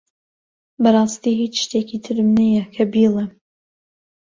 بەڕاستی هیچ شتێکی ترم نییە کە بیڵێم.